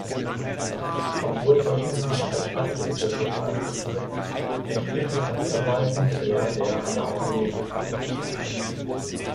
Obwohl Toshima als Stadtbezirk bezeichnet wird, entspricht die Stadtverwaltung eher der einer autonomen Stadt.